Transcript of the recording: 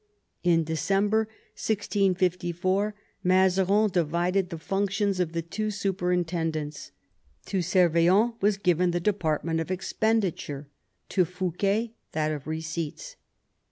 In December 1654 Mazarin divided the functions of the two superintendents. To Servien was given the department of expenditure, to Fouquet that of receipts.